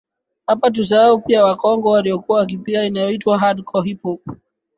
Hapa tusisahau pia wakongwe waliokuwa wakipiga ianyoitwa Hard Core HipHop